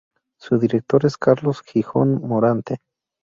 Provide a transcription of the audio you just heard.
Su director es Carlos Jijón Morante.